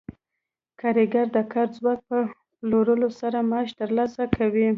کارګر د کاري ځواک په پلورلو سره معاش ترلاسه کوي